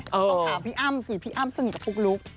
ต้องถามพี่อ้ำสิพี่อ้ำสนิทกับปุ๊กลุ๊ก